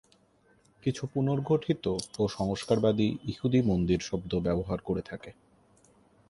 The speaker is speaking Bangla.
কিছু পুনর্গঠিত ও সংস্কারবাদী ইহুদি "মন্দির" শব্দ ব্যবহার করে থাকে।